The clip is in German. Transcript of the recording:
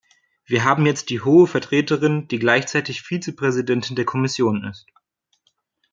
Wir haben jetzt die Hohe Vertreterin, die gleichzeitig Vizepräsidentin der Kommission ist.